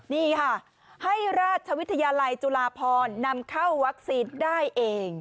นี่ค่ะให้ราชวิทยาลัยจุฬาพรนำเข้าวัคซีนได้เอง